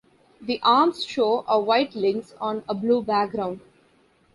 The arms show a white lynx on a blue background.